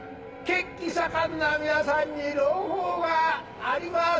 血気盛んな皆さんに朗報があります。